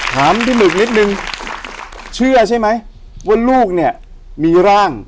ถามพี่หมึกนิดนึงเชื่อใช่ไหมว่าลูกเนี่ยมีร่าง